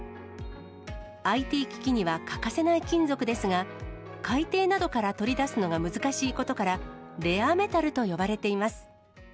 ＩＴ機器には欠かせない金属ですが、海底などから取り出すのが難しいことから、レアメタルと呼ばれています。